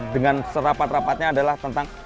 dengan serapat rapatnya adalah tentang